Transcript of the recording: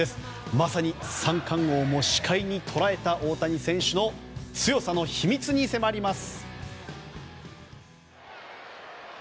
まさに三冠王も視界に捉えた大谷選手の強さの秘密に迫ります。